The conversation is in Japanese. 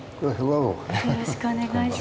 よろしくお願いします。